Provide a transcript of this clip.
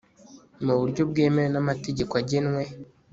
mu buryo bwemewe n'amategeko agenwe